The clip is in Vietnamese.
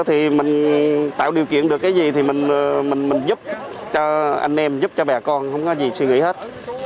thì mình tạo điều kiện được cái gì thì mình giúp cho anh em giúp cho bà con không có gì suy nghĩ hết